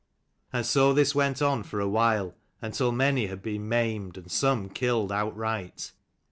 And so this went on for a while, until many had been maimed, and some killed outright.